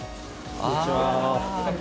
「こんにちは」